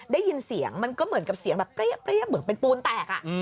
ได้ยินเสียงมันก็เหมือนกับเสียงแบบเปรี้ยเหมือนเป็นปูนแตก